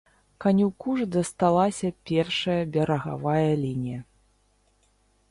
Канюку ж дасталася першая берагавая лінія.